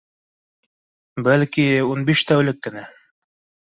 Бәлки, ун биш тәүлек кенә